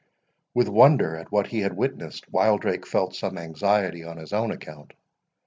With wonder at what he had witnessed, Wildrake felt some anxiety on his own account.